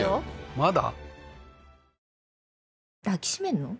まだ？